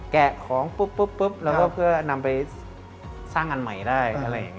แกะของปุ๊บแล้วก็นำไปสร้างงานใหม่ได้